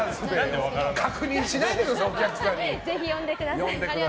確認しないでくださいお客さんに。